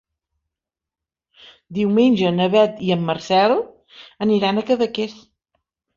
Diumenge na Beth i en Marcel aniran a Cadaqués.